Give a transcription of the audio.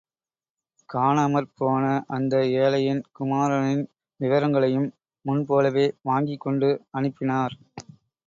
காணாமற் போன அந்த ஏழையின் குமாரனின் விவரங்களையும் முன் போலவே வாங்கிக் கொண்டு அனுப்பினார்.